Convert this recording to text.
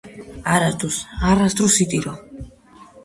არასდროს არასდროს იტირო